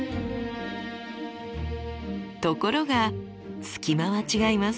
ところがスキマは違います。